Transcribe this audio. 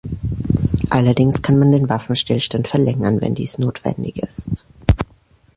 Allerdings kann man den Waffenstillstand verlängern, wenn dies notwendig ist.